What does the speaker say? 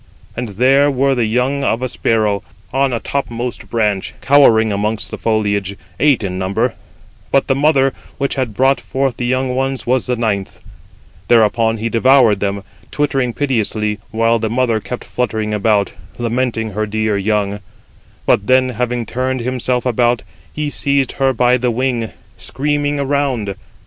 And there were the young of a sparrow, an infant offspring, on a topmost branch, cowering amongst the foliage, eight in number; but the mother, which had brought forth the young ones, was the ninth. Thereupon he devoured them, twittering piteously, while the mother kept fluttering about, lamenting her dear young; but then, having turned himself about, he seized her by the wing, screaming around.